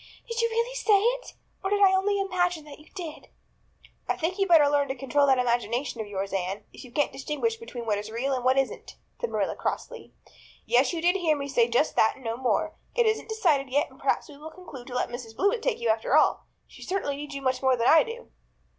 "Did you really say it? Or did I only imagine that you did?" "I think you'd better learn to control that imagination of yours, Anne, if you can't distinguish between what is real and what isn't," said Marilla crossly. "Yes, you did hear me say just that and no more. It isn't decided yet and perhaps we will conclude to let Mrs. Blewett take you after all. She certainly needs you much more than I do."